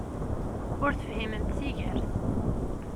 Ur tefhimemt tigert!